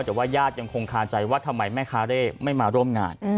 แต่ว่าญาติยังคงคาใจว่าทำไมแม่คาเร่ไม่มาร่วมงาน